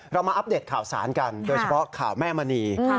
เรามาอัปเดตข่าวสารกันโดยเฉพาะข่าวแม่มณี